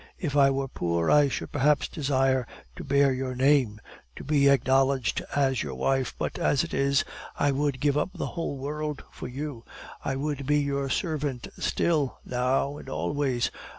If I were poor, I should perhaps desire to bear your name, to be acknowledged as your wife; but as it is, I would give up the whole world for you, I would be your servant still, now and always.